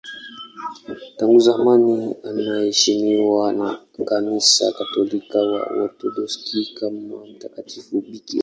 Tangu zamani anaheshimiwa na Kanisa Katoliki na Waorthodoksi kama mtakatifu bikira.